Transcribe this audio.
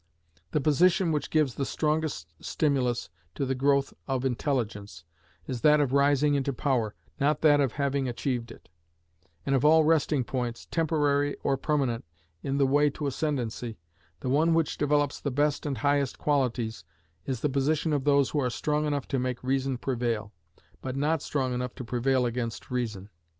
The position which gives the strongest stimulus to the growth of intelligence is that of rising into power, not that of having achieved it; and of all resting points, temporary or permanent, in the way to ascendancy, the one which develops the best and highest qualities is the position of those who are strong enough to make reason prevail, but not strong enough to prevail against reason.